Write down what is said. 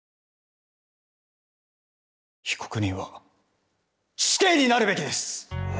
被告人は死刑になるべきです。